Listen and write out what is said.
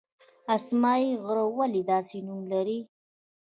اسمايي غر ولې داسې نوم لري؟